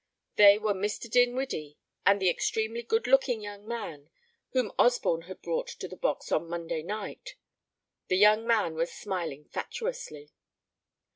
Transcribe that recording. They were Mr. Dinwiddie, and the extremely good looking young man whom Osborne had brought to the box on Monday night. The young man was smiling fatuously.